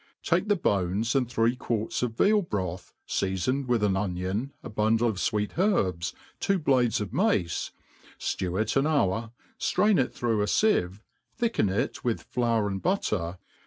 Take the bones, and three quarts of veal broth, feafoned with an 'onion, a bundle of fweet herbs, two blades of mace, flew it _ an hour, ftrain it through a fieve, thicken it with flour and' Dutter